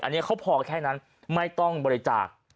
อันนี้เขาพอแค่นั้นไม่ต้องบริจาค